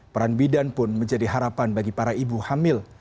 peran bidan pun menjadi harapan bagi para ibu hamil